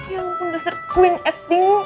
ya ampun dasar queen acting